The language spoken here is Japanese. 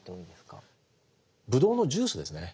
ぶどうのジュースですね。